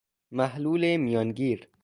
محلول میانگیر